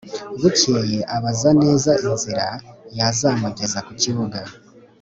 bukeye abaza neza inzira yazamugeza ku birunga